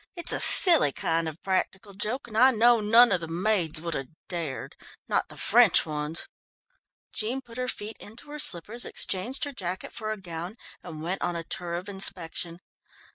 It's a silly kind of practical joke, and I know none of the maids would have dared, not the French ones." Jean put her feet into her slippers, exchanged her jacket for a gown, and went on a tour of inspection.